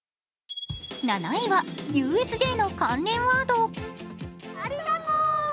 ７位はＵＳＪの関連ワード。